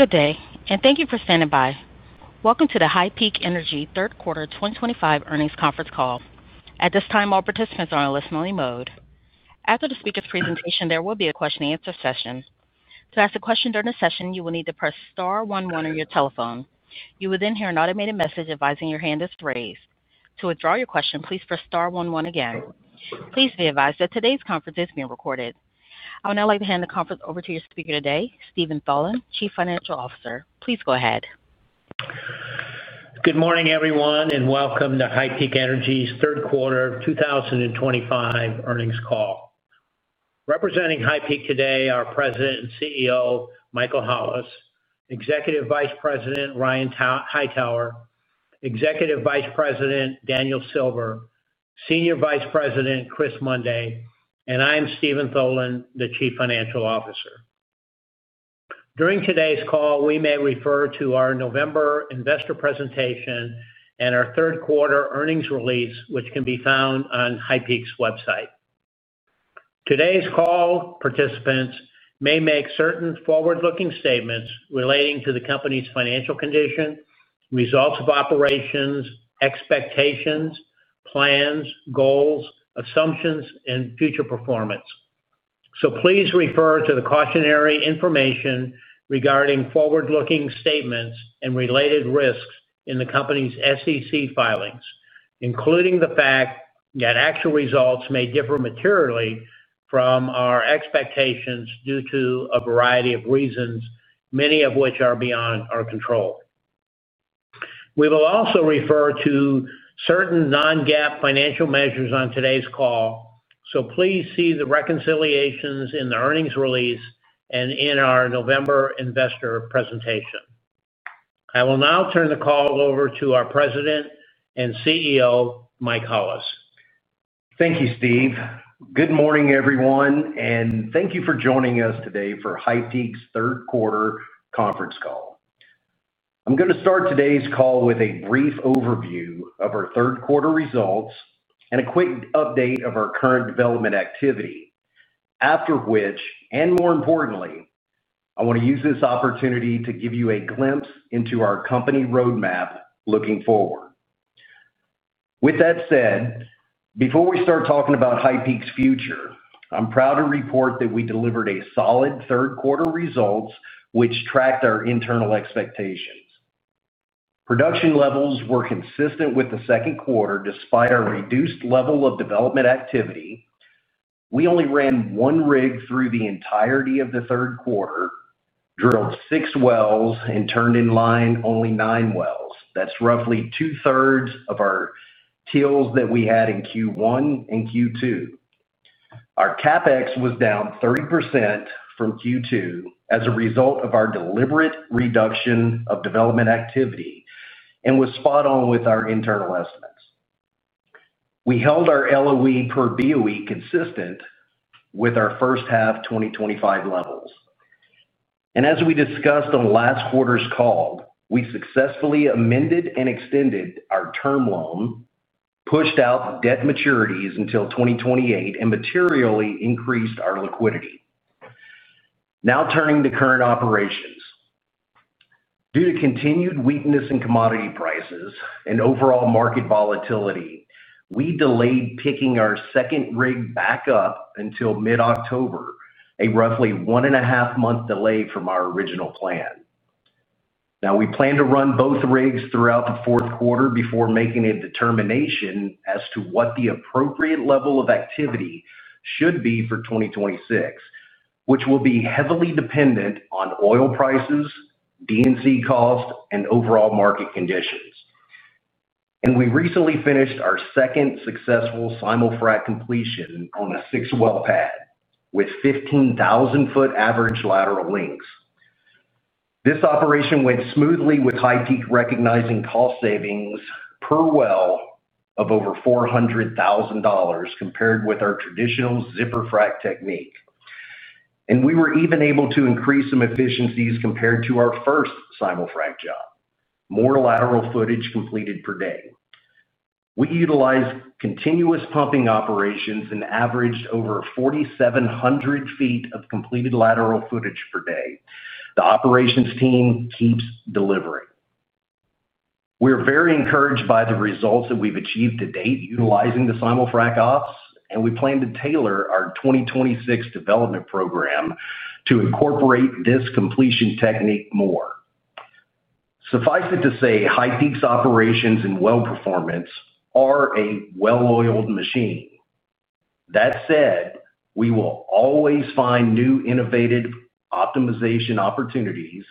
Good day, and thank you for standing by. Welcome to the HighPeak Energy third quarter 2025 earnings conference call. At this time, all participants are in listen-only mode. After the speaker's presentation, there will be a question-and-answer session. To ask a question during the session, you will need to press star one one on your telephone. You will then hear an automated message advising your hand is raised. To withdraw your question, please press star one one again. Please be advised that today's conference is being recorded. I would now like to hand the conference over to your speaker today, Steven Tholen, Chief Financial Officer. Please go ahead. Good morning, everyone, and welcome to HighPeak Energy's third quarter 2025 earnings call. Representing HighPeak today are President and CEO Michael Hollis, Executive Vice President Ryan Hightower, Executive Vice President Daniel Silver, Senior Vice President Chris Mundy, and I'm Steven Tholen, the Chief Financial Officer. During today's call, we may refer to our November investor presentation and our third quarter earnings release, which can be found on HighPeak's website. Today's call participants may make certain forward-looking statements relating to the company's financial condition, results of operations, expectations, plans, goals, assumptions, and future performance. Please refer to the cautionary information regarding forward-looking statements and related risks in the company's SEC filings, including the fact that actual results may differ materially from our expectations due to a variety of reasons, many of which are beyond our control. We will also refer to certain non-GAAP financial measures on today's call, so please see the reconciliations in the earnings release and in our November investor presentation. I will now turn the call over to our President and CEO, Mike Hollis. Thank you, Steve. Good morning, everyone, and thank you for joining us today for HighPeak's third quarter conference call. I'm going to start today's call with a brief overview of our third quarter results and a quick update of our current development activity, after which, and more importantly, I want to use this opportunity to give you a glimpse into our company roadmap looking forward. With that said, before we start talking about HighPeak's future, I'm proud to report that we delivered solid third quarter results, which tracked our internal expectations. Production levels were consistent with the second quarter despite our reduced level of development activity. We only ran one rig through the entirety of the third quarter, drilled six wells, and turned in line only nine wells. That's roughly two-thirds of our TILs that we had in Q1 and Q2. Our CapEx was down 30% from Q2 as a result of our deliberate reduction of development activity and was spot on with our internal estimates. We held our LOE per BOE consistent with our first half 2025 levels. As we discussed on last quarter's call, we successfully amended and extended our term loan, pushed out debt maturities until 2028, and materially increased our liquidity. Now turning to current operations. Due to continued weakness in commodity prices and overall market volatility, we delayed picking our second rig back up until mid-October, a roughly one-and-a-half-month delay from our original plan. We plan to run both rigs throughout the fourth quarter before making a determination as to what the appropriate level of activity should be for 2026, which will be heavily dependent on oil prices, D&C cost, and overall market conditions. We recently finished our second successful simul-frac completion on a six-well pad with 15,000-foot average lateral links. This operation went smoothly, with HighPeak recognizing cost savings per well of over $400,000 compared with our traditional zipper frac technique. We were even able to increase some efficiencies compared to our first simul-frac job: more lateral footage completed per day. We utilized continuous pumping operations and averaged over 4,700 ft of completed lateral footage per day. The operations team keeps delivering. We are very encouraged by the results that we have achieved to date utilizing the simul-frac ops, and we plan to tailor our 2026 development program to incorporate this completion technique more. Suffice it to say, HighPeak's operations and well performance are a well-oiled machine. That said, we will always find new innovative optimization opportunities,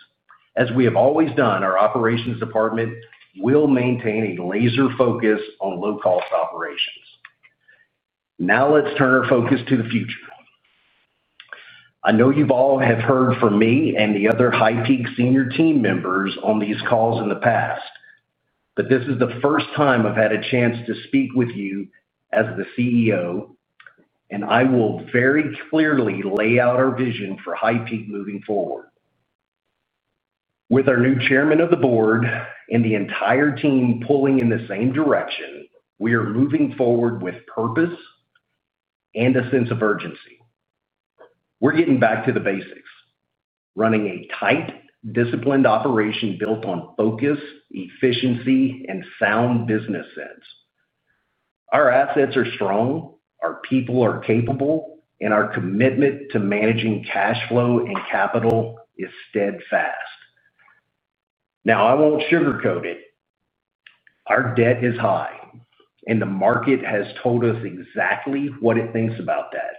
as we have always done. Our operations department will maintain a laser focus on low-cost operations. Now let's turn our focus to the future. I know you've all heard from me and the other HighPeak senior team members on these calls in the past. This is the first time I've had a chance to speak with you as the CEO. I will very clearly lay out our vision for HighPeak moving forward. With our new Chairman of the Board and the entire team pulling in the same direction, we are moving forward with purpose and a sense of urgency. We're getting back to the basics: running a tight, disciplined operation built on focus, efficiency, and sound business sense. Our assets are strong, our people are capable, and our commitment to managing cash flow and capital is steadfast. I won't sugarcoat it. Our debt is high, and the market has told us exactly what it thinks about that.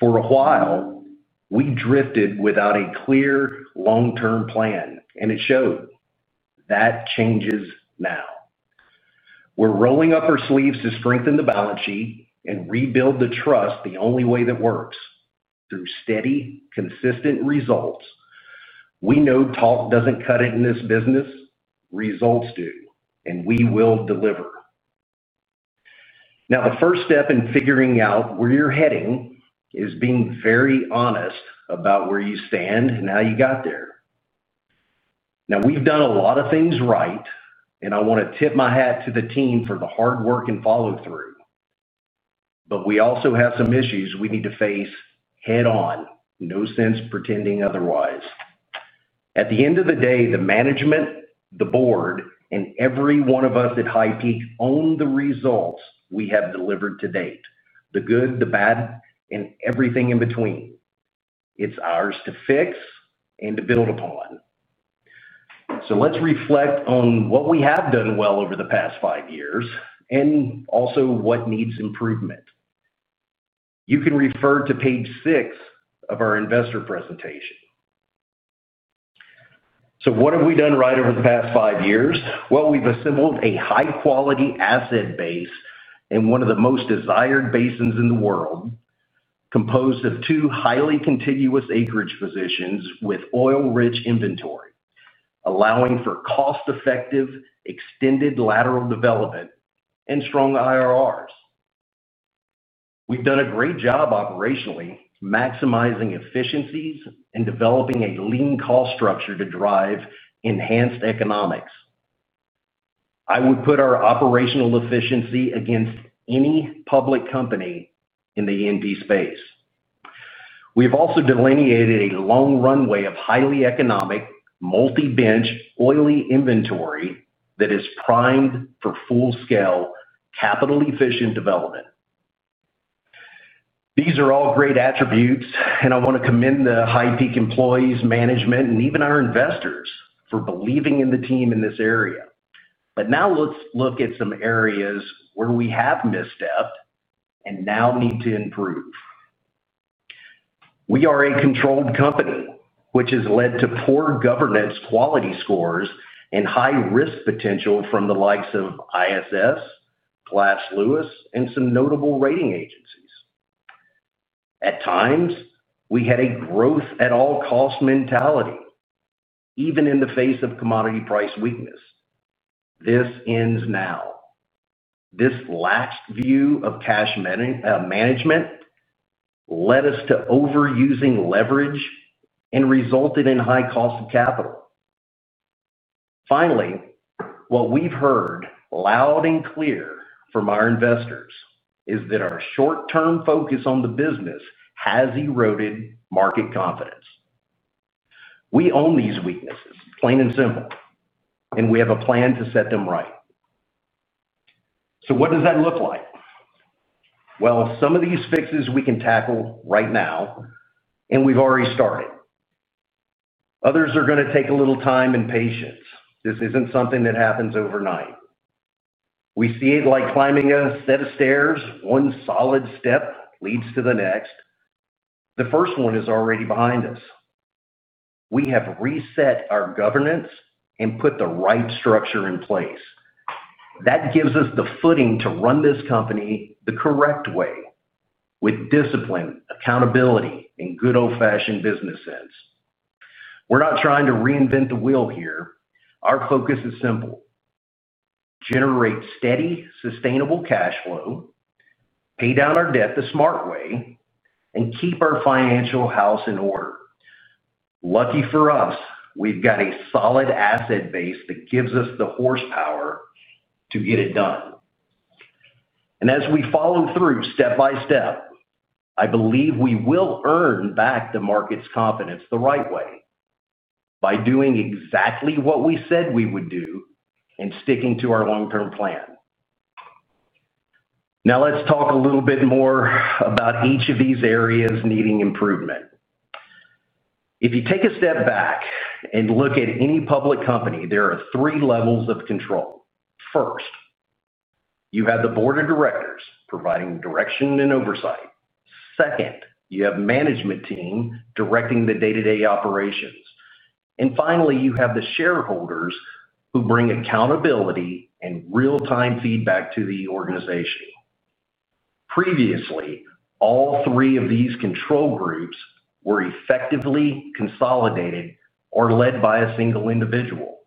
For a while, we drifted without a clear long-term plan, and it showed. That changes now. We're rolling up our sleeves to strengthen the balance sheet and rebuild the trust the only way that works. Through steady, consistent results. We know talk doesn't cut it in this business. Results do, and we will deliver. Now, the first step in figuring out where you're heading is being very honest about where you stand and how you got there. We've done a lot of things right, and I want to tip my hat to the team for the hard work and follow-through. We also have some issues we need to face head-on. No sense pretending otherwise. At the end of the day, the management, the board, and every one of us at HighPeak own the results we have delivered to date: the good, the bad, and everything in between. It's ours to fix and to build upon. Let's reflect on what we have done well over the past five years and also what needs improvement. You can refer to page six of our investor presentation. What have we done right over the past five years? We've assembled a high-quality asset base in one of the most desired basins in the world. Composed of two highly contiguous acreage positions with oil-rich inventory, allowing for cost-effective extended lateral development and strong IRRs. We've done a great job operationally, maximizing efficiencies and developing a lean cost structure to drive enhanced economics. I would put our operational efficiency against any public company in the E&P space. have also delineated a long runway of highly economic, multi-bench, oily inventory that is primed for full-scale, capital-efficient development. These are all great attributes, and I want to commend the HighPeak employees, management, and even our investors for believing in the team in this area. Now let's look at some areas where we have misstepped and now need to improve. We are a controlled company, which has led to poor governance quality scores and high risk potential from the likes of ISS, Glass Lewis, and some notable rating agencies. At times, we had a growth-at-all-costs mentality, even in the face of commodity price weakness. This ends now. This lax view of cash management led us to overusing leverage and resulted in high cost of capital. Finally, what we have heard loud and clear from our investors is that our short-term focus on the business has eroded market confidence. We own these weaknesses, plain and simple, and we have a plan to set them right. What does that look like? Some of these fixes we can tackle right now. And we've already started. Others are going to take a little time and patience. This isn't something that happens overnight. We see it like climbing a set of stairs. One solid step leads to the next. The first one is already behind us. We have reset our governance and put the right structure in place. That gives us the footing to run this company the correct way with discipline, accountability, and good old-fashioned business sense. We're not trying to reinvent the wheel here. Our focus is simple. Generate steady, sustainable cash flow. Pay down our debt the smart way, and keep our financial house in order. Lucky for us, we've got a solid asset base that gives us the horsepower to get it done. As we follow through step by step, I believe we will earn back the market's confidence the right way. By doing exactly what we said we would do. Sticking to our long-term plan. Now, let's talk a little bit more about each of these areas needing improvement. If you take a step back and look at any public company, there are three levels of control. First, you have the board of directors providing direction and oversight. Second, you have a management team directing the day-to-day operations. Finally, you have the shareholders who bring accountability and real-time feedback to the organization. Previously, all three of these control groups were effectively consolidated or led by a single individual.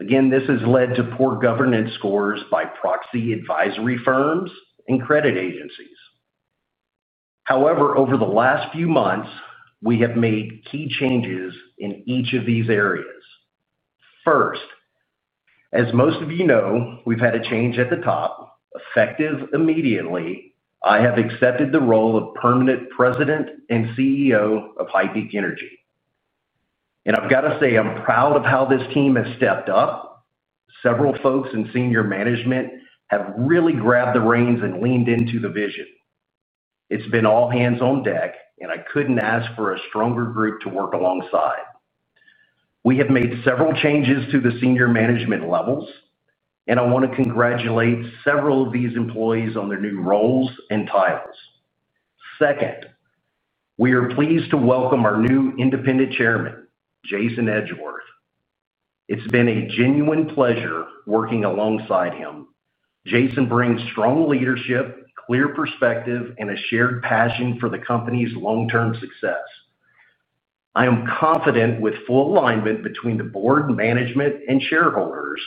Again, this has led to poor governance scores by proxy advisory firms and credit agencies. However, over the last few months, we have made key changes in each of these areas. First. As most of you know, we've had a change at the top. Effective immediately, I have accepted the role of permanent President and CEO of HighPeak Energy. I've got to say, I'm proud of how this team has stepped up. Several folks in senior management have really grabbed the reins and leaned into the vision. It's been all hands on deck, and I couldn't ask for a stronger group to work alongside. We have made several changes to the senior management levels, and I want to congratulate several of these employees on their new roles and titles. Second. We are pleased to welcome our new independent Chairman, Jason Edgeworth. It's been a genuine pleasure working alongside him. Jason brings strong leadership, clear perspective, and a shared passion for the company's long-term success. I am confident with full alignment between the board, management, and shareholders.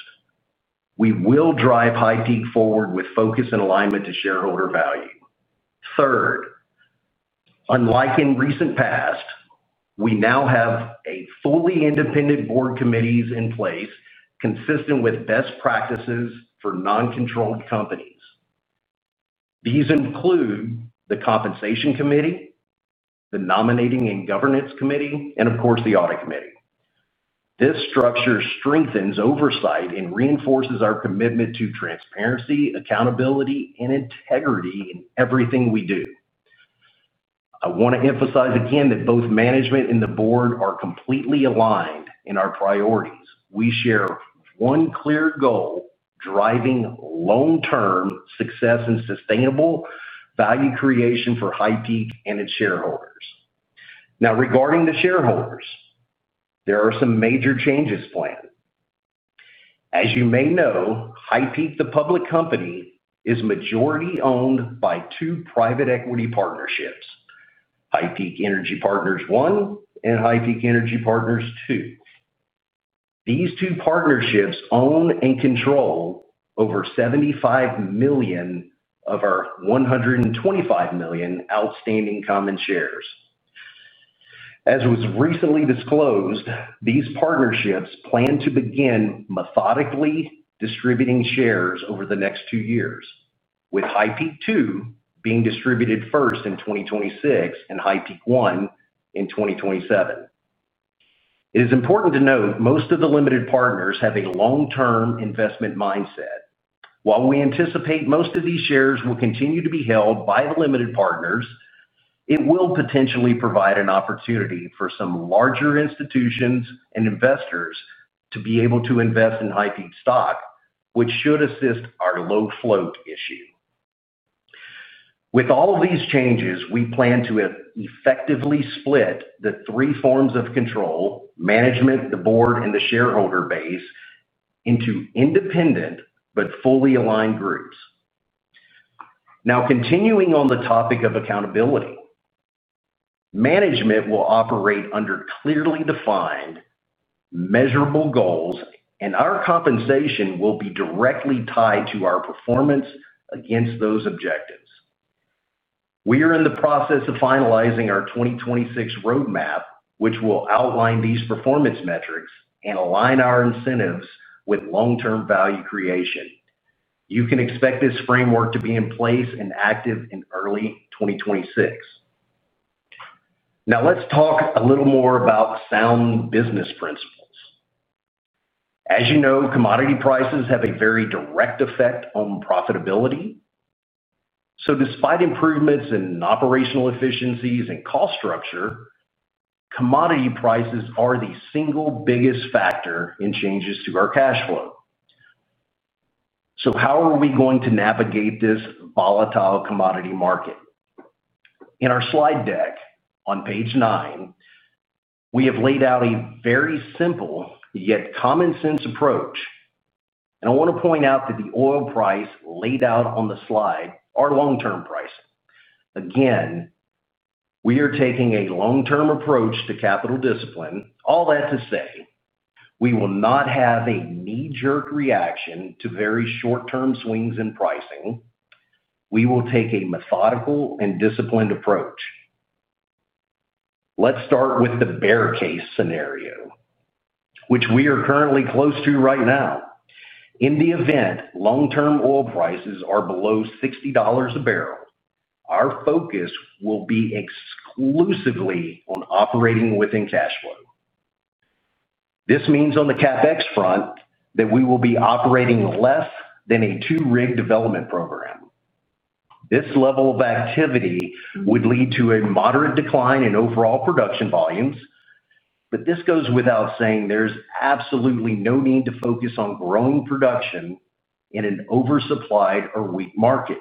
We will drive HighPeak forward with focus and alignment to shareholder value. Third. Unlike in recent past, we now have fully independent board committees in place consistent with best practices for non-controlled companies. These include the compensation committee, the nominating and governance committee, and of course, the audit committee. This structure strengthens oversight and reinforces our commitment to transparency, accountability, and integrity in everything we do. I want to emphasize again that both management and the board are completely aligned in our priorities. We share one clear goal: driving long-term success and sustainable value creation for HighPeak and its shareholders. Now, regarding the shareholders. There are some major changes planned. As you may know, HighPeak, the public company, is majority owned by two private equity partnerships: HighPeak Energy Partners One and HighPeak Energy Partners Two. These two partnerships own and control over $75 million of our $125 million outstanding common shares. As was recently disclosed, these partnerships plan to begin methodically distributing shares over the next two years, with HighPeak Two being distributed first in 2026 and HighPeak One in 2027. It is important to note most of the limited partners have a long-term investment mindset. While we anticipate most of these shares will continue to be held by the limited partners, it will potentially provide an opportunity for some larger institutions and investors to be able to invest in HighPeak stock, which should assist our low float issue. With all of these changes, we plan to effectively split the three forms of control: management, the board, and the shareholder base into independent but fully aligned groups. Now, continuing on the topic of accountability, management will operate under clearly defined, measurable goals, and our compensation will be directly tied to our performance against those objectives. We are in the process of finalizing our 2026 roadmap, which will outline these performance metrics and align our incentives with long-term value creation. You can expect this framework to be in place and active in early 2026. Now, let's talk a little more about sound business principles. As you know, commodity prices have a very direct effect on profitability. Despite improvements in operational efficiencies and cost structure, commodity prices are the single biggest factor in changes to our cash flow. How are we going to navigate this volatile commodity market? In our slide deck on page nine, we have laid out a very simple yet common-sense approach. I want to point out that the oil price laid out on the slide is our long-term price. Again, we are taking a long-term approach to capital discipline. All that to say, we will not have a knee-jerk reaction to very short-term swings in pricing. We will take a methodical and disciplined approach. Let's start with the bear case scenario, which we are currently close to right now. In the event long-term oil prices are below $60 a barrel, our focus will be exclusively on operating within cash flow. This means on the CapEx front that we will be operating less than a two-rig development program. This level of activity would lead to a moderate decline in overall production volumes. This goes without saying there's absolutely no need to focus on growing production in an oversupplied or weak market.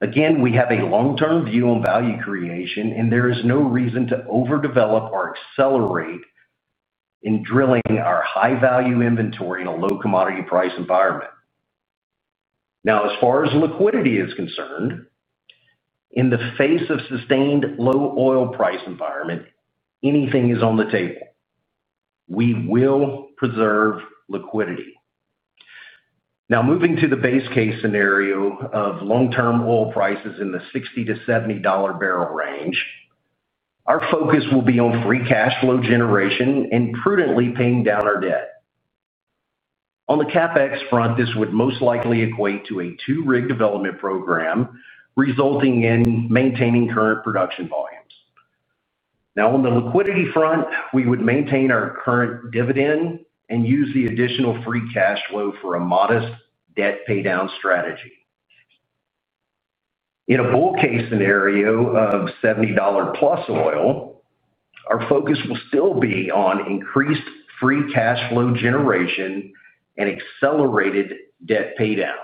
Again, we have a long-term view on value creation, and there is no reason to overdevelop or accelerate in drilling our high-value inventory in a low commodity price environment. Now, as far as liquidity is concerned, in the face of a sustained low oil price environment, anything is on the table. We will preserve liquidity. Now, moving to the base case scenario of long-term oil prices in the $60-$70 barrel range, our focus will be on free cash flow generation and prudently paying down our debt. On the CapEx front, this would most likely equate to a two-rig development program, resulting in maintaining current production volumes. Now, on the liquidity front, we would maintain our current dividend and use the additional free cash flow for a modest debt paydown strategy. In a bull case scenario of $70 plus oil, our focus will still be on increased free cash flow generation and accelerated debt paydown.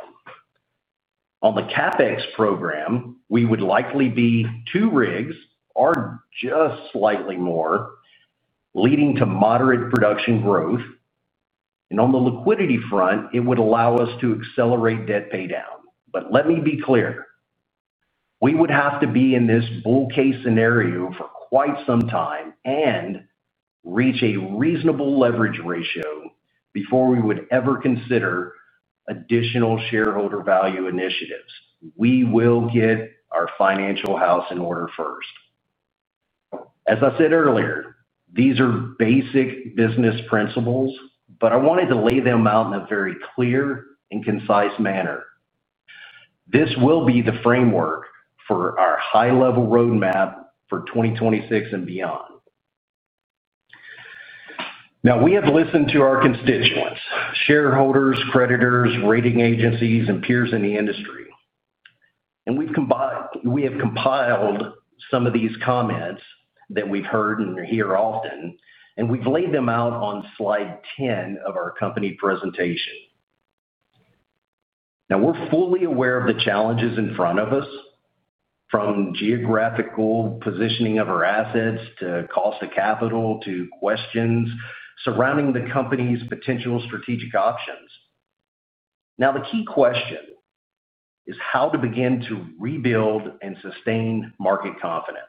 On the CapEx program, we would likely be two rigs or just slightly more, leading to moderate production growth. On the liquidity front, it would allow us to accelerate debt paydown. Let me be clear. We would have to be in this bull case scenario for quite some time and reach a reasonable leverage ratio before we would ever consider additional shareholder value initiatives. We will get our financial house in order first. As I said earlier, these are basic business principles, but I wanted to lay them out in a very clear and concise manner. This will be the framework for our high-level roadmap for 2026 and beyond. Now, we have listened to our constituents: shareholders, creditors, rating agencies, and peers in the industry. We have compiled some of these comments that we have heard and hear often, and we have laid them out on slide 10 of our company presentation. We are fully aware of the challenges in front of us. From geographical positioning of our assets to cost of capital to questions surrounding the company's potential strategic options. The key question is how to begin to rebuild and sustain market confidence.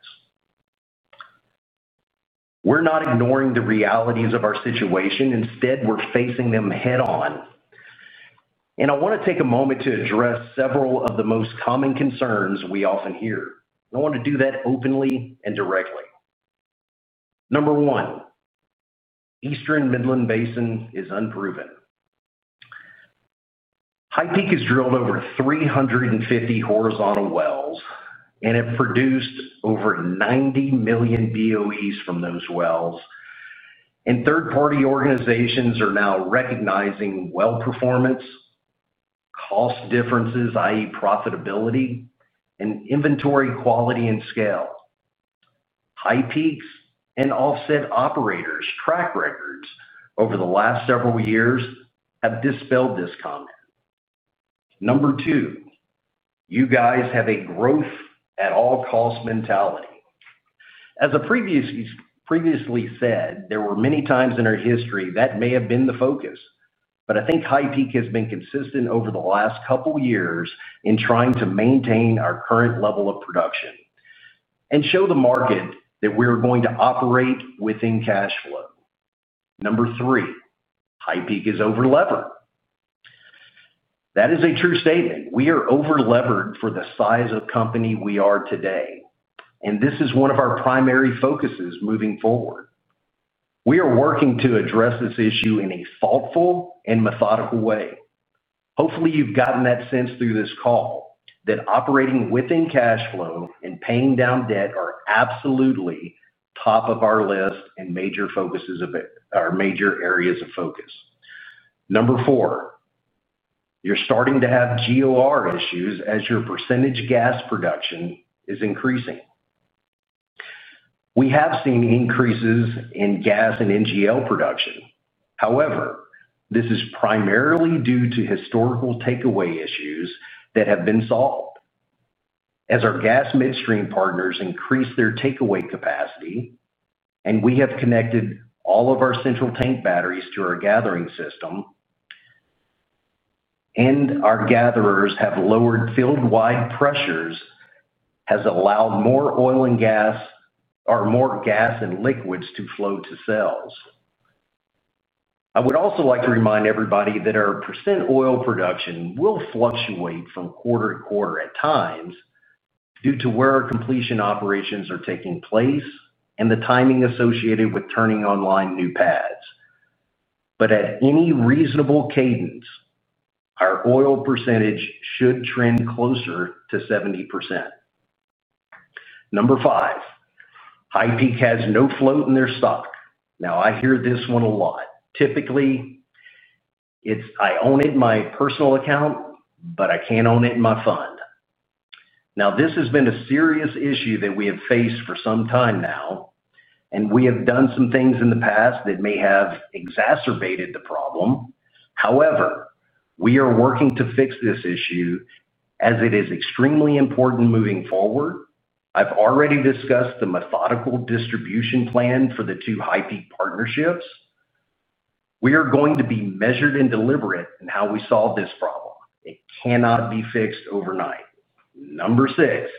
We are not ignoring the realities of our situation. Instead, we are facing them head-on. I want to take a moment to address several of the most common concerns we often hear. I want to do that openly and directly. Number one. Eastern Midland Basin is unproven. HighPeak has drilled over 350 horizontal wells, and it produced over 90 million BOEs from those wells. Third-party organizations are now recognizing well performance, cost differences, i.e., profitability, and inventory quality and scale. HighPeak's and offset operators' track records over the last several years have dispelled this comment. Number two. You guys have a growth-at-all-cost mentality. As I previously said, there were many times in our history that may have been the focus. I think HighPeak has been consistent over the last couple of years in trying to maintain our current level of production and show the market that we're going to operate within cash flow. Number three, HighPeak is over-levered. That is a true statement. We are over-levered for the size of company we are today, and this is one of our primary focuses moving forward. We are working to address this issue in a thoughtful and methodical way. Hopefully, you've gotten that sense through this call that operating within cash flow and paying down debt are absolutely top of our list and major focuses of our major areas of focus. Number four. You're starting to have GOR issues as your percentage gas production is increasing. We have seen increases in gas and NGL production. However, this is primarily due to historical takeaway issues that have been solved. As our gas midstream partners increase their takeaway capacity, and we have connected all of our central tank batteries to our gathering system, and our gatherers have lowered field-wide pressures, has allowed more oil and gas or more gas and liquids to flow to sales. I would also like to remind everybody that our percent oil production will fluctuate from quarter to quarter at times due to where our completion operations are taking place and the timing associated with turning online new pads. At any reasonable cadence, our oil percentage should trend closer to 70%. Number five. HighPeak has no float in their stock. I hear this one a lot. Typically, it's, "I own it in my personal account, but I can't own it in my fund." This has been a serious issue that we have faced for some time now. We have done some things in the past that may have exacerbated the problem. However, we are working to fix this issue as it is extremely important moving forward. I've already discussed the methodical distribution plan for the two HighPeak partnerships. We are going to be measured and deliberate in how we solve this problem. It cannot be fixed overnight. Number six,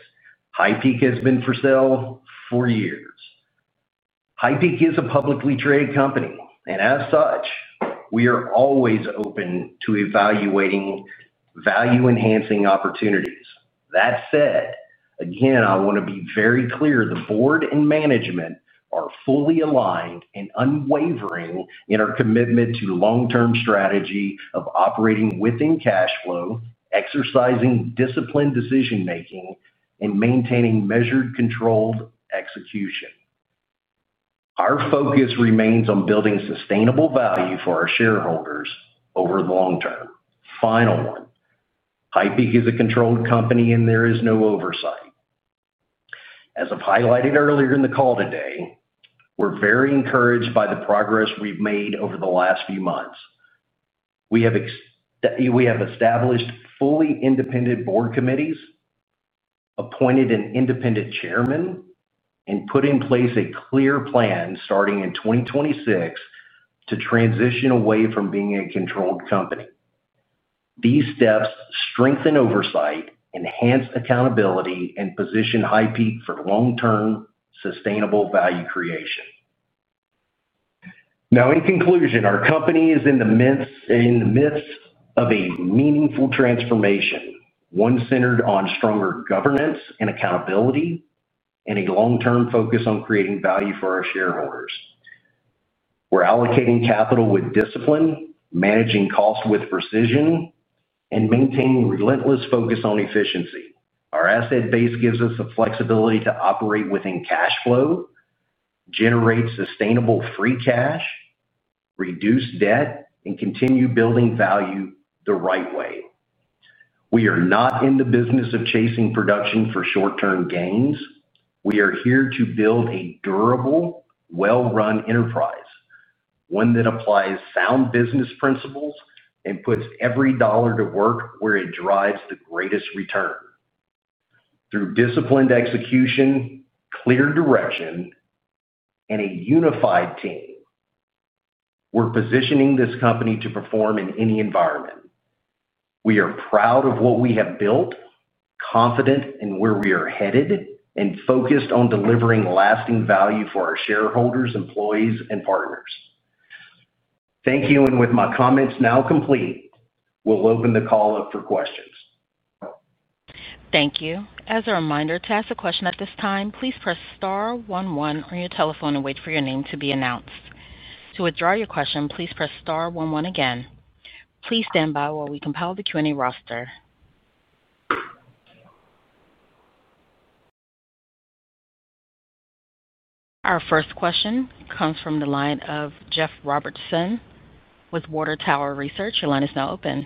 HighPeak has been for sale for years. HighPeak is a publicly traded company, and as such, we are always open to evaluating value-enhancing opportunities. That said, again, I want to be very clear, the board and management are fully aligned and unwavering in our commitment to a long-term strategy of operating within cash flow, exercising disciplined decision-making, and maintaining measured, controlled execution. Our focus remains on building sustainable value for our shareholders over the long term. Final one. HighPeak is a controlled company, and there is no oversight. As I've highlighted earlier in the call today, we're very encouraged by the progress we've made over the last few months. We have established fully independent board committees. Appointed an independent chairman, and put in place a clear plan starting in 2026 to transition away from being a controlled company. These steps strengthen oversight, enhance accountability, and position HighPeak Energy for long-term sustainable value creation. Now, in conclusion, our company is in the midst of a meaningful transformation, one centered on stronger governance and accountability and a long-term focus on creating value for our shareholders. We're allocating capital with discipline, managing costs with precision. Maintaining a relentless focus on efficiency. Our asset base gives us the flexibility to operate within cash flow, generate sustainable free cash, reduce debt, and continue building value the right way. We are not in the business of chasing production for short-term gains. We are here to build a durable, well-run enterprise, one that applies sound business principles and puts every dollar to work where it drives the greatest return. Through disciplined execution, clear direction, and a unified team, we're positioning this company to perform in any environment. We are proud of what we have built, confident in where we are headed, and focused on delivering lasting value for our shareholders, employees, and partners. Thank you. With my comments now complete, we'll open the call up for questions. Thank you. As a reminder, to ask a question at this time, please press star one one on your telephone and wait for your name to be announced. To withdraw your question, please press star one one again. Please stand by while we compile the Q&A roster. Our first question comes from the line of Jeff Robertson with Water Tower Research. Your line is now open.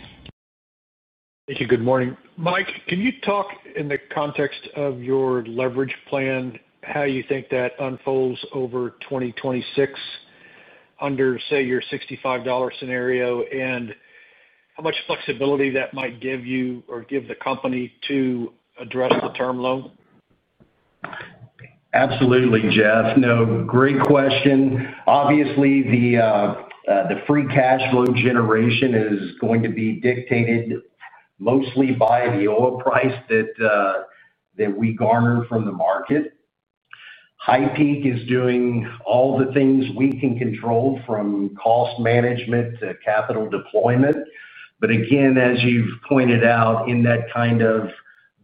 Thank you. Good morning. Mike, can you talk in the context of your leverage plan, how you think that unfolds over 2026? Under, say, your $65 scenario, and how much flexibility that might give you or give the company to address the term loan? Absolutely, Jeff. No, great question. Obviously, the free cash flow generation is going to be dictated mostly by the oil price that we garner from the market. HighPeak is doing all the things we can control from cost management to capital deployment. Again, as you have pointed out, in that kind of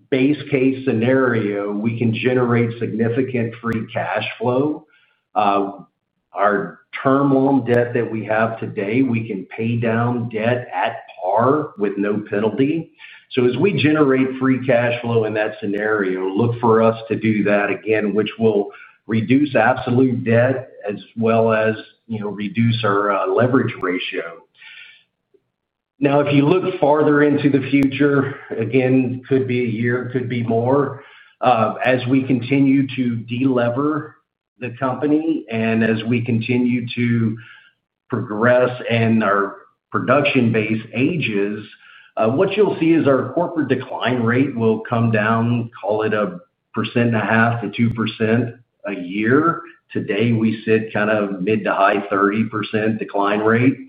base case scenario, we can generate significant free cash flow. Our term loan debt that we have today, we can pay down debt at par with no penalty. As we generate free cash flow in that scenario, look for us to do that again, which will reduce absolute debt as well as reduce our leverage ratio. Now, if you look farther into the future, again, it could be a year, it could be more, as we continue to delever the company and as we continue to. Progress and our production base ages, what you'll see is our corporate decline rate will come down, call it 1.5%-2% a year. Today, we sit kind of mid to high 30% decline rate.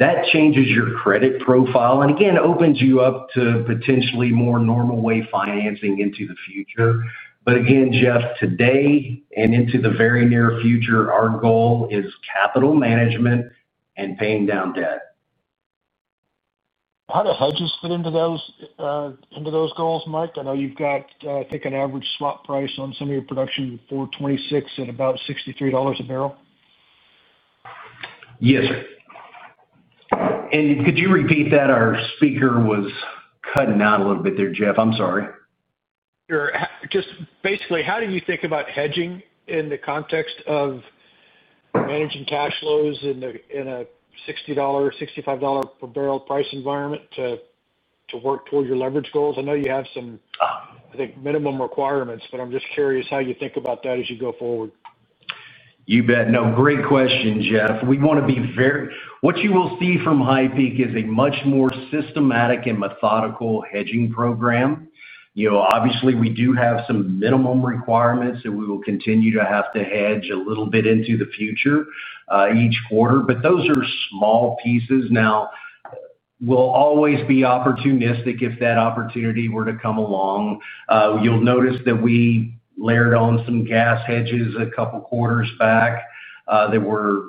That changes your credit profile and again, opens you up to potentially more normal way financing into the future. Again, Jeff, today and into the very near future, our goal is capital management and paying down debt. How do hedges fit into those goals, Mike? I know you've got an average swap price on some of your production for 2026 at about $63 a barrel. Yes, sir. Could you repeat that? Our speaker was cutting out a little bit there, Jeff. I'm sorry. Sure. Just basically, how do you think about hedging in the context of managing cash flows in a $60-$65 per barrel price environment to work toward your leverage goals? I know you have some, I think, minimum requirements, but I'm just curious how you think about that as you go forward. You bet. No, great question, Jeff. We want to be very—what you will see from HighPeak is a much more systematic and methodical hedging program. Obviously, we do have some minimum requirements that we will continue to have to hedge a little bit into the future each quarter, but those are small pieces. Now, we'll always be opportunistic if that opportunity were to come along. You'll notice that we layered on some gas hedges a couple of quarters back. There were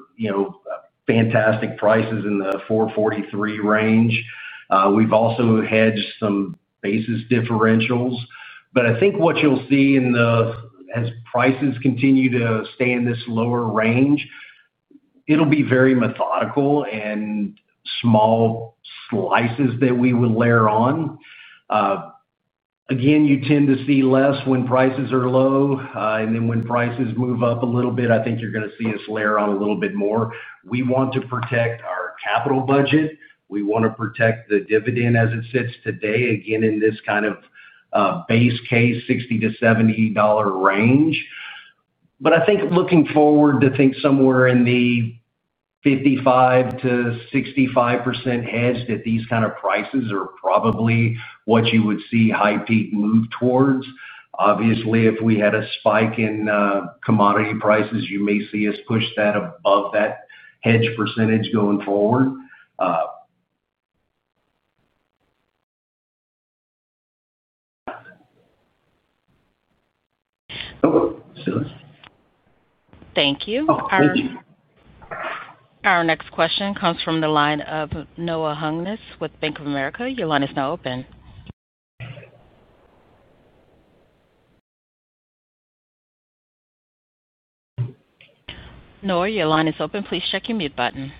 fantastic prices in the $4.43 range. We've also hedged some basis differentials. I think what you'll see as prices continue to stay in this lower range, it'll be very methodical and small slices that we will layer on. Again, you tend to see less when prices are low. When prices move up a little bit, I think you're going to see us layer on a little bit more. We want to protect our capital budget. We want to protect the dividend as it sits today, again, in this kind of base case, $60-$70 range. I think looking forward, to think somewhere in the 55%-65% hedged at these kind of prices are probably what you would see HighPeak move towards. Obviously, if we had a spike in commodity prices, you may see us push that above that hedge percentage going forward. Thank you. Our next question comes from the line of Noah Hungness with Bank of America. Your line is now open. Noah, your line is open. Please check your mute button.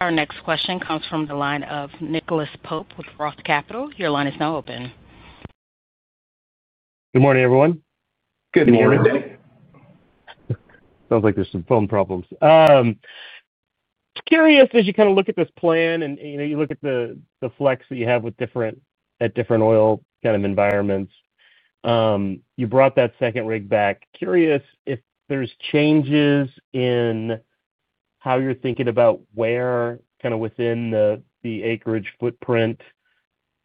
Our next question comes from the line of Nicholas Pope with Roth Capital. Your line is now open. Good morning, everyone. Good morning. Sounds like there's some phone problems. Curious, as you kind of look at this plan and you look at the flex that you have at different oil kind of environments, you brought that second rig back. Curious if there's changes in how you're thinking about where kind of within the acreage footprint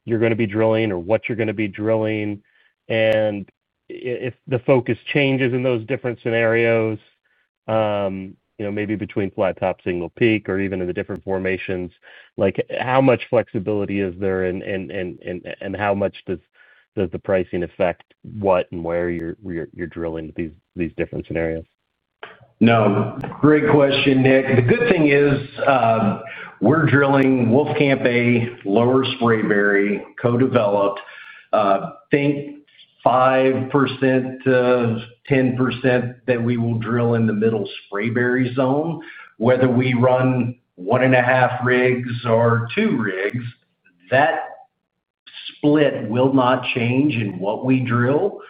you're going to be drilling or what you're going to be drilling. If the focus changes in those different scenarios, maybe between Flat Top, Signal Peak, or even in the different formations, how much flexibility is there and how much does the pricing affect what and where you're drilling these different scenarios? No. Great question, Nick. The good thing is, we're drilling Wolfcamp A, Lower Spraberry, co-developed. Think 5%-10% that we will drill in the Middle Spraberry zone. Whether we run one and a half rigs or two rigs, that split will not change in what we drill.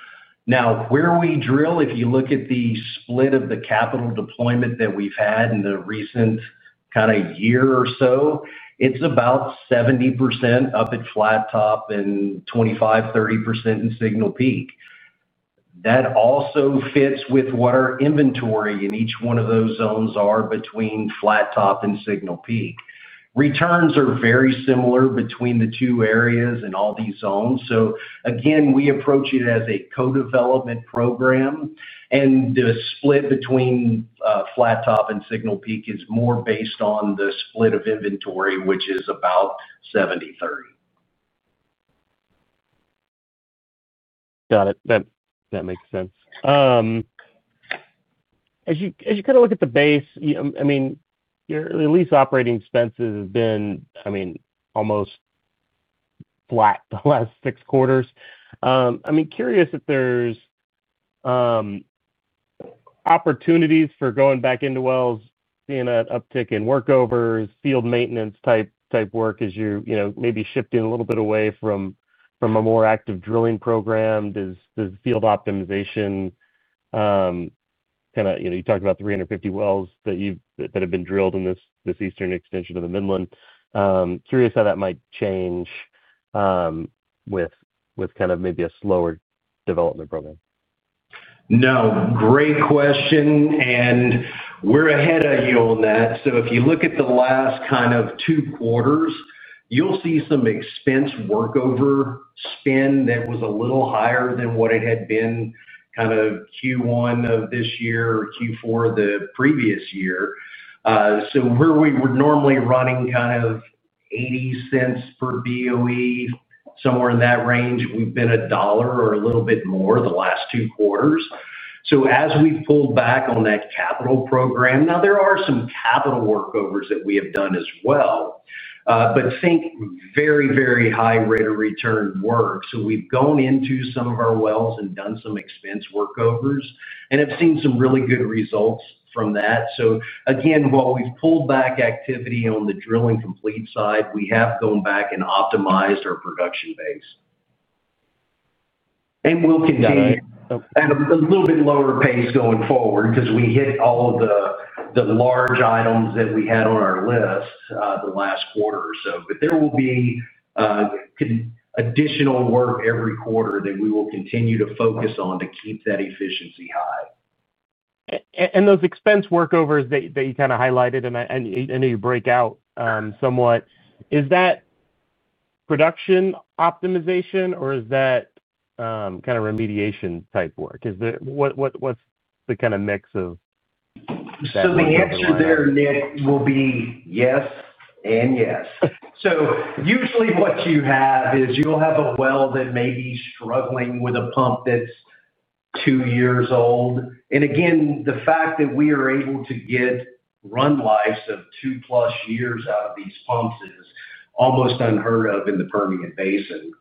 Now, where we drill, if you look at the split of the capital deployment that we've had in the recent kind of year or so, it's about 70% up at Flat Top and 25%-30% in Signal Peak. That also fits with what our inventory in each one of those zones are between Flat Top and Signal Peak. Returns are very similar between the two areas in all these zones. Again, we approach it as a co-development program. The split between Flat Top and Signal Peak is more based on the split of inventory, which is about 70/30. Got it. That makes sense. As you kind of look at the base, I mean, at least operating expenses have been, I mean, almost flat the last six quarters. I mean, curious if there's opportunities for going back into wells, seeing an uptick in workovers, field maintenance type work as you're maybe shifting a little bit away from a more active drilling program. Does field optimization kind of—you talked about 350 wells that have been drilled in this eastern extension of the Midland. Curious how that might change with kind of maybe a slower development program. No. Great question. We're ahead of you on that. If you look at the last kind of two quarters, you'll see some expense workover spend that was a little higher than what it had been in Q1 of this year or Q4 of the previous year. Where we were normally running kind of $0.80 per BOE, somewhere in that range, we've been $1 or a little bit more the last two quarters. As we've pulled back on that capital program, there are some capital workovers that we have done as well. Think very, very high rate of return work. We've gone into some of our wells and done some expense workovers and have seen some really good results from that. Again, while we've pulled back activity on the drilling complete side, we have gone back and optimized our production base. We will continue at a little bit lower pace going forward because we hit all of the large items that we had on our list the last quarter or so. There will be additional work every quarter that we will continue to focus on to keep that efficiency high. Those expense workovers that you kind of highlighted, and I know you break out somewhat, is that production optimization or is that kind of remediation type work? What's the kind of mix of? The answer there, Nick, will be yes and yes. Usually what you have is you'll have a well that may be struggling with a pump that's two years old. Again, the fact that we are able to get run lives of two-plus years out of these pumps is almost unheard of in the Permian Basin.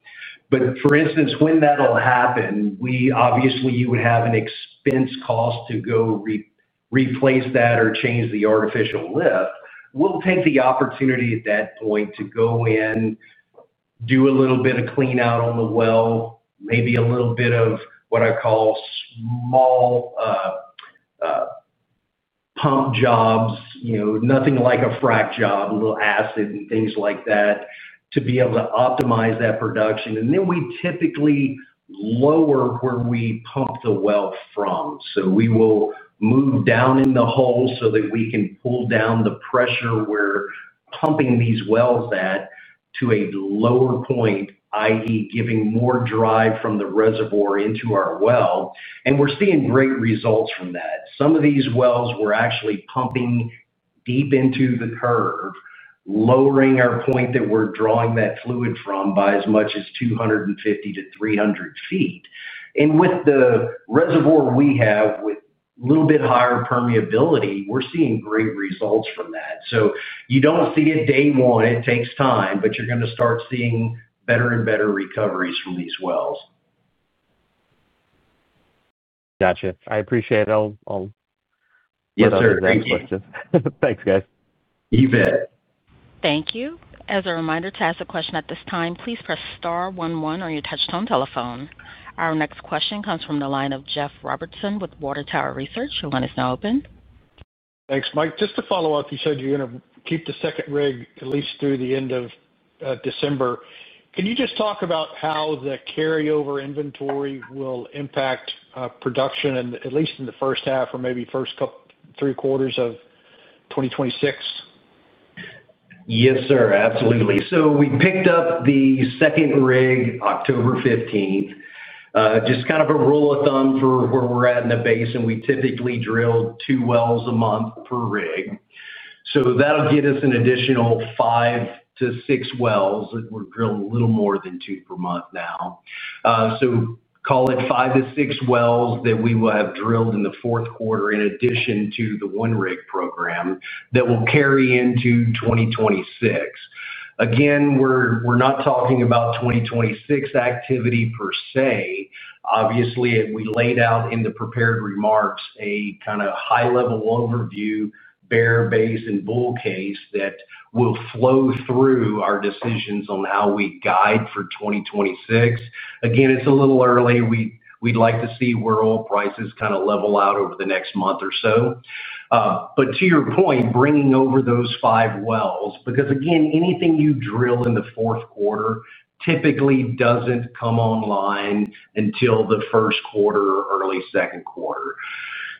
For instance, when that will happen, obviously you would have an expense cost to go replace that or change the artificial lift. We will take the opportunity at that point to go in, do a little bit of clean out on the well, maybe a little bit of what I call small pump jobs, nothing like a frac job, a little acid and things like that, to be able to optimize that production. Then we typically lower where we pump the well from. We will move down in the hole so that we can pull down the pressure we're pumping these wells at to a lower point, i.e., giving more drive from the reservoir into our well. We're seeing great results from that. Some of these wells we're actually pumping deep into the curve, lowering our point that we're drawing that fluid from by as much as 250-300 ft. With the reservoir we have with a little bit higher permeability, we're seeing great results from that. You don't see it day one. It takes time, but you're going to start seeing better and better recoveries from these wells. Gotcha. I appreciate it. I'll. Yes, sir. Thanks, guys. Thanks, guys. You bet. Thank you. As a reminder to ask a question at this time, please press star one one on your touchstone telephone. Our next question comes from the line of Jeff Robertson with Water Tower Research. Your line is now open. Thanks, Mike. Just to follow up, you said you're going to keep the second rig at least through the end of December. Can you just talk about how the carryover inventory will impact production, at least in the first half or maybe first three quarters of 2026? Yes, sir. Absolutely. We picked up the second rig October 15th. Just kind of a rule of thumb for where we are at in the basin, we typically drill two wells a month per rig. That will get us an additional five to six wells. We are drilling a little more than two per month now. Call it five to six wells that we will have drilled in the fourth quarter in addition to the one-rig program that will carry into 2026. Again, we are not talking about 2026 activity per se. Obviously, we laid out in the prepared remarks a kind of high-level overview, bear base and bull case that will flow through our decisions on how we guide for 2026. Again, it is a little early. We would like to see where oil prices kind of level out over the next month or so. To your point, bringing over those five wells, because again, anything you drill in the fourth quarter typically does not come online until the first quarter or early second quarter.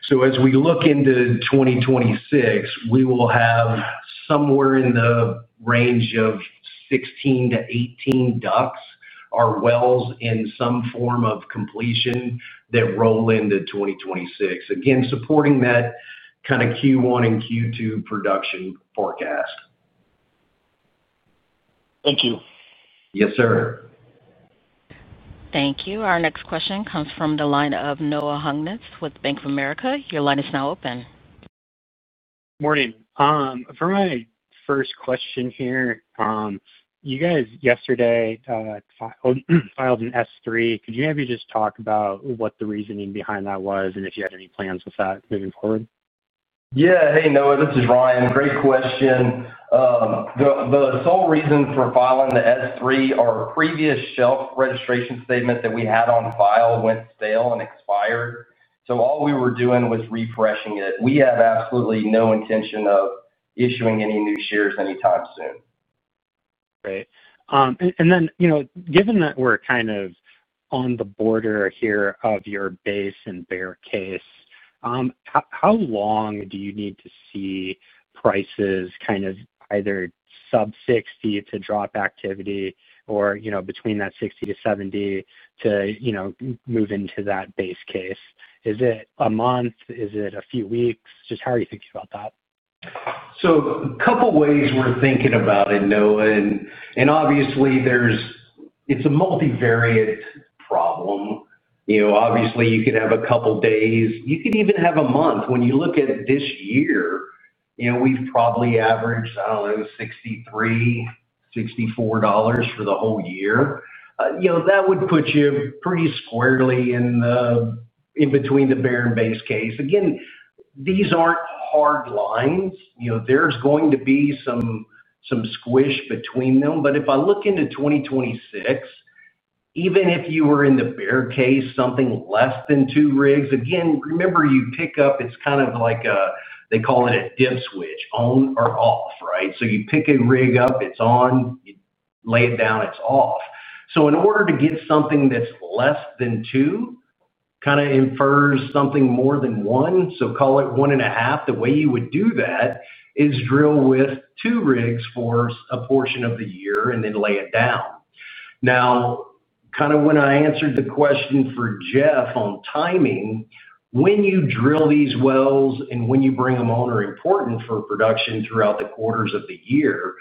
As we look into 2026, we will have somewhere in the range of 16-18 DUCs or wells in some form of completion that roll into 2026. Again, supporting that kind of Q1 and Q2 production forecast. Thank you. Yes, sir. Thank you. Our next question comes from the line of Noah Hungness with Bank of America. Your line is now open. Morning. For my first question here. You guys yesterday filed an S-3. Could you maybe just talk about what the reasoning behind that was and if you had any plans with that moving forward? Yeah. Hey, Noah, this is Ryan. Great question. The sole reason for filing the S-3, our previous shelf registration statements that we had on file went stale and expired. All we were doing was refreshing it. We have absolutely no intention of issuing any new shares anytime soon. Great. Given that we're kind of on the border here of your base and bear case, how long do you need to see prices kind of either sub-$60 to drop activity or between that $60-$70 to move into that base case? Is it a month? Is it a few weeks? Just how are you thinking about that? A couple of ways we're thinking about it, Noah. Obviously, it's a multivariate problem. You could have a couple of days. You could even have a month. When you look at this year, we've probably averaged, I don't know, $63, $64 for the whole year. That would put you pretty squarely in between the bear and base case. Again, these aren't hard lines. There's going to be some squish between them. If I look into 2026, even if you were in the bear case, something less than two rigs, again, remember you pick up, it's kind of like a, they call it a dip switch, on or off, right? You pick a rig up, it's on. You lay it down, it's off. In order to get something that's less than two, kind of infers something more than one. Call it one and a half. The way you would do that is drill with two rigs for a portion of the year and then lay it down. Now, kind of when I answered the question for Jeff on timing, when you drill these wells and when you bring them on are important for production throughout the quarters of the year.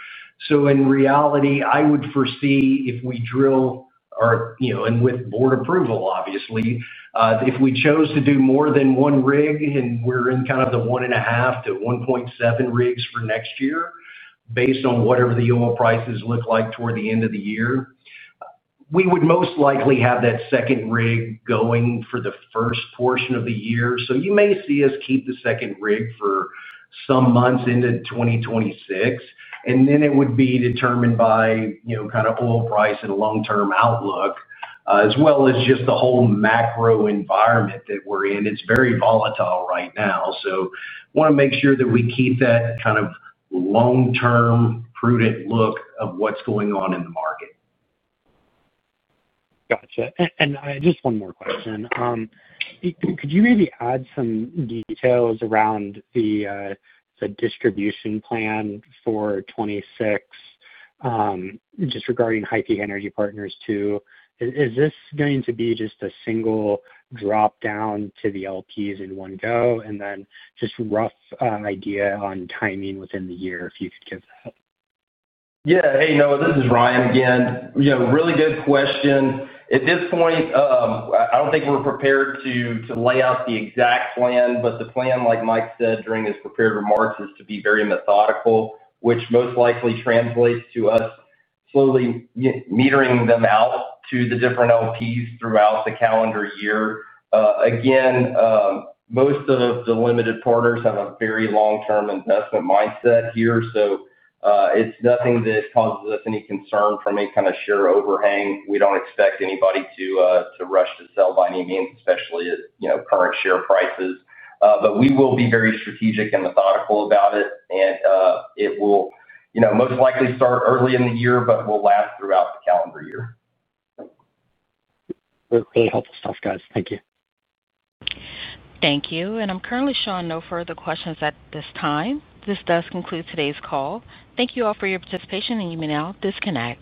In reality, I would foresee if we drill, and with board approval, obviously, if we chose to do more than one rig and we are in kind of the one and a half to 1.7 rigs for next year, based on whatever the oil prices look like toward the end of the year, we would most likely have that second rig going for the first portion of the year. You may see us keep the second rig for some months into 2026. It would be determined by kind of oil price and long-term outlook, as well as just the whole macro environment that we're in. It's very volatile right now. I want to make sure that we keep that kind of long-term prudent look of what's going on in the market. Gotcha. And just one more question. Could you maybe add some details around the distribution plan for 2026? Just regarding HighPeak Energy Partners Two? Is this going to be just a single drop down to the LPs in one go and then just rough idea on timing within the year if you could give that? Yeah. Hey, Noah, this is Ryan again. Really good question. At this point, I do not think we are prepared to lay out the exact plan, but the plan, like Mike said during his prepared remarks, is to be very methodical, which most likely translates to us slowly metering them out to the different LPs throughout the calendar year. Again, most of the limited partners have a very long-term investment mindset here. It is nothing that causes us any concern from any kind of share overhang. We do not expect anybody to rush to sell by any means, especially at current share prices. We will be very strategic and methodical about it. It will most likely start early in the year, but will last throughout the calendar year. Really helpful stuff, guys. Thank you. Thank you. I'm currently showing no further questions at this time. This does conclude today's call. Thank you all for your participation, and you may now disconnect.